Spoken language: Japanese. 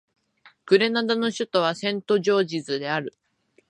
グレナダの首都はセントジョージズである